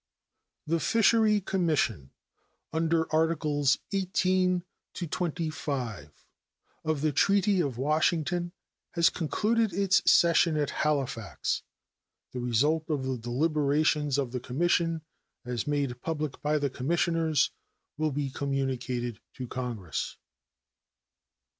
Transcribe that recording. The Fishery Commission under Articles XVIII to XXV of the treaty of Washington has concluded its session at Halifax. The result of the deliberations of the commission, as made public by the commissioners, will be communicated to Congress.